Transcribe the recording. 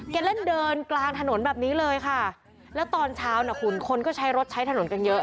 เล่นเดินกลางถนนแบบนี้เลยค่ะแล้วตอนเช้านะคุณคนก็ใช้รถใช้ถนนกันเยอะ